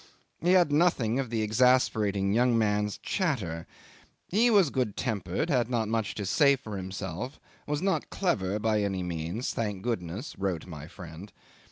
He had nothing of the exasperating young man's chatter. He was good tempered, had not much to say for himself, was not clever by any means, thank goodness wrote my friend.